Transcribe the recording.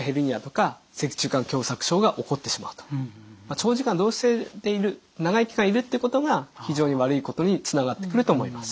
長時間同姿勢でいる長い期間いるってことが非常に悪いことにつながってくると思います。